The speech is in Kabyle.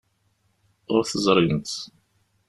Ur t-ẓrint.